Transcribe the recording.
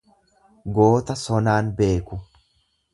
Goota sonaan beeku.